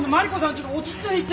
ちょっと落ち着いて。